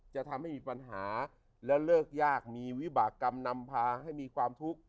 จะทำให้มีปัญหาแล้วเลิกยากมีวิบากรรมนำพาให้มีความทุกข์